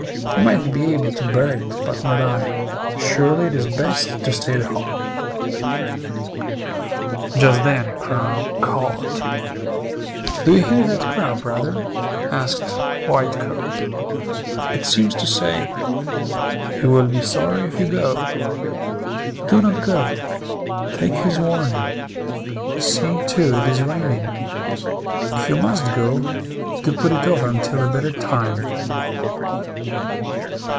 You might be able to bear it, but not I. Surely it is best to stay at home." Just then a crow cawed. "Do you hear that crow, brother?" asked White coat. "It seems to say, 'You will be sorry if you go.' Do not go. Take his warning. See, too, it is raining. If you must go, do put it off until a better time."